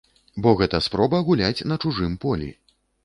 Бо гэта спроба гуляць на чужым полі.